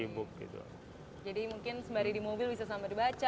mungkin sembari di mobil bisa sampai dibaca